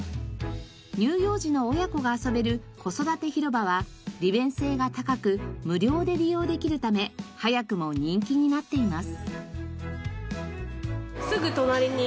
乳幼児の親子が遊べる子育て広場は利便性が高く無料で利用できるため早くも人気になっています。